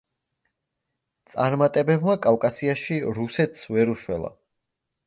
წარმატებებმა კავკასიაში რუსეთს ვერ უშველა.